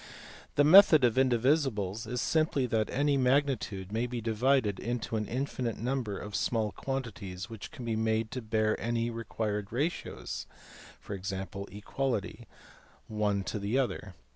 The method of indivisibles is simply that any magnitude may be divided into an infinite number of small quantities which can be made to bear any required ratios (e.g. equality) one to the other.